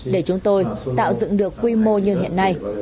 để chúng tôi tạo dựng được quy mô như hiện nay